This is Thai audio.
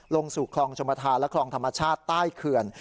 ลงสู่คลองชมธาและคลองธรรมชาติใต้เขื่อน